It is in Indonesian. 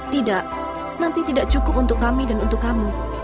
tidak nanti tidak cukup untuk kami dan untuk kamu